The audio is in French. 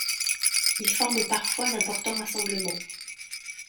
Ils forment parfois d'importants rassemblements.